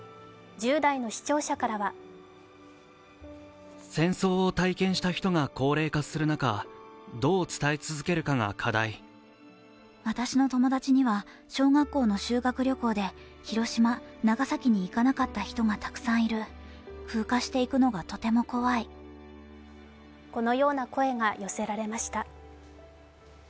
１０代の視聴者からはこのような声が寄せられました。